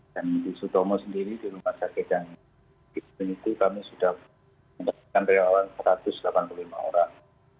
dan di sutomo sendiri di rumah sakit yang itu kami sudah menemukan relawan satu ratus delapan puluh lima orang